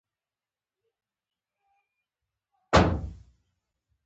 وریدونه د شریانونو په پرتله نری دیوال لري.